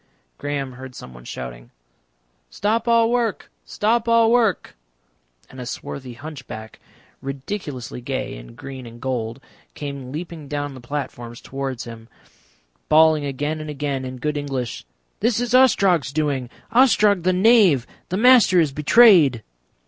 Graham heard someone shouting. "Stop all work. Stop all work," and a swarthy hunchback, ridiculously gay in green and gold, came leaping down the platforms toward him, bawling again and again in good English, "This is Ostrog's doing, Ostrog the Knave! The Master is betrayed."